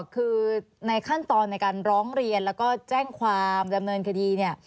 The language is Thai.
คือในขั้นตอนในการร้องเรียนและแจ้งความแบรนด์คดี